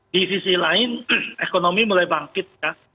di sisi lain ekonomi mulai bangkit ya